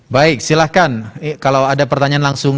baik silahkan kalau ada pertanyaan langsung